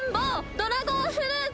ドラゴンフルーツ。